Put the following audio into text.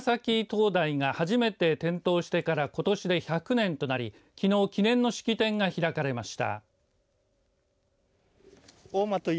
大間町の大間埼灯台が初めて点灯してからことしで１００年となりきのう、記念の式典が開かれました。